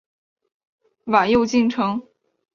晚又进城。